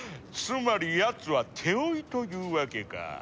つまりやつは手負いというわけか。